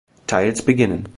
Teils beginnen.